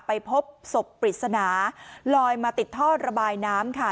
ไปพบศพปริศนาลอยมาติดท่อระบายน้ำค่ะ